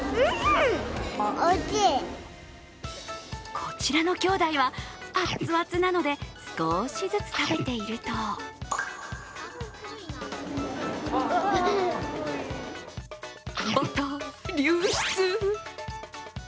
こちらのきょうだいは熱々なので、少しずつ食べているとバター流出。